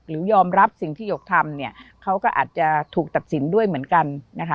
หรือยอมรับสิ่งที่หยกทำเขาก็อาจจะถูกตัดสินด้วยเหมือนกัน